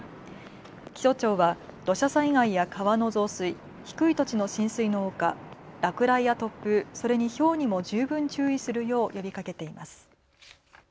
気象庁は土砂災害や川の増水、低い土地の浸水のほか落雷や突風、それに、ひょうにも十分注意するよう呼びかけています。